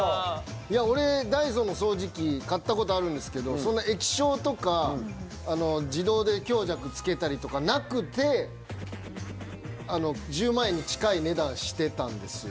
いや俺「ダイソン」の掃除機買った事あるんですけどそんな液晶とか自動で強弱付けたりとかなくてあの１０万円に近い値段してたんですよ。